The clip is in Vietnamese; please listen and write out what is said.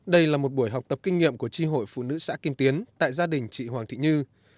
đây là một buổi học tập kinh nghiệm của tri hội phụ nữ xã kim tiến tại gia đình chị hoàng thị như